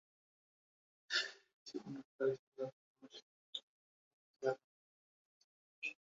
এই জীবন রক্ষাকারী উপাদান ছাড়া মানুষ এক মুহূর্তও বেঁচে থাকতে পারে না।